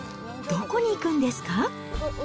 どこに行くんですか？